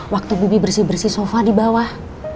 waktu bobi bersih bersih sofa di bawah